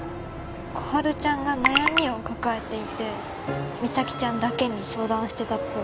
心春ちゃんが悩みを抱えていて実咲ちゃんだけに相談してたっぽい